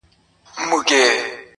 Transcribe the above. • بې څښلو مي مِزاج د مستانه دی,